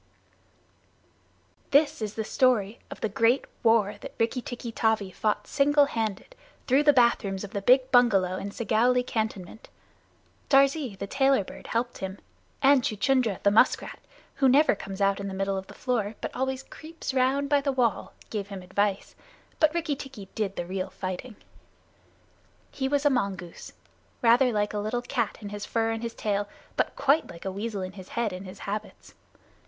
This is the story of the great war that Rikki tikki tavi fought single handed, through the bath rooms of the big bungalow in Segowlee cantonment. Darzee, the Tailorbird, helped him, and Chuchundra, the musk rat, who never comes out into the middle of the floor, but always creeps round by the wall, gave him advice, but Rikki tikki did the real fighting. He was a mongoose, rather like a little cat in his fur and his tail, but quite like a weasel in his head and his habits.